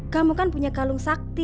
kamu kan punya kalung sakti